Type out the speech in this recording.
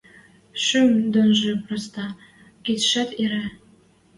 Шӱм донжы проста, кидшӓт ире.